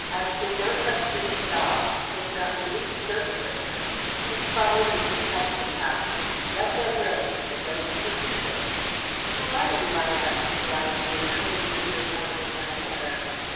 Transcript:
Answer no questions at all. Take not the least notice of them. Just follow me to the Custom House. Let them rave, but don't speak to them." "Who are you?" I asked blindly, clinging to his arm in my terror.